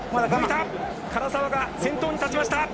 唐澤が先頭に立ちました！